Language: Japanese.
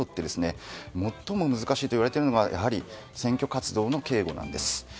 最も難しいといわれているのが選挙活動の警護です。